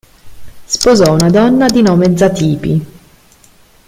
Sposò una donna di nome Zatipi.